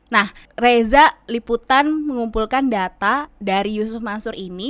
nah reza liputan mengumpulkan data dari yusuf mansur ini